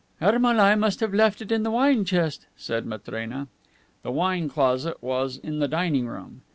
"Ermolai must have left it in the wine chest," said Matrena. The wine closet was in the dining room.